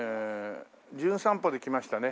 『じゅん散歩』で来ましたね